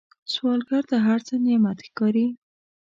سوالګر ته هر څه نعمت ښکاري